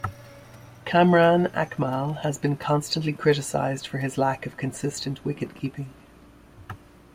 Kamran Akmal has been constantly criticized for his lack of consistent wicket-keeping.